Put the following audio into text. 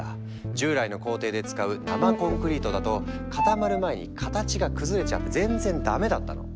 従来の工程で使う生コンクリートだと固まる前に形が崩れちゃって全然ダメだったの。